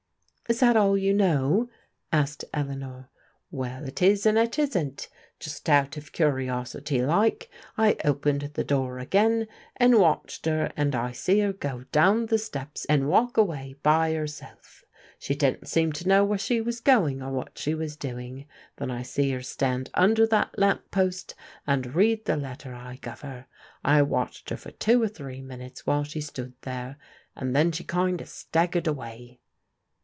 " Is that all you know? " asked Eleanor. " Well, it is and it isn't. Just out of curiosity like, I opened the door again, and watched 'er and I see 'er go down the steps and walk away by 'erself. She didn't seem to know where she was going or what she was do ing. Then I see 'er stand tmder that lamp post, and read the letter I guv 'er. I watched 'er for two or three min utes while she stood there, and then she kind of staggered away."